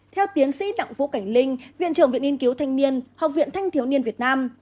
theo tiến sĩ đặng vũ cảnh linh viện trưởng viện nghiên cứu thanh niên học viện thanh thiếu niên việt nam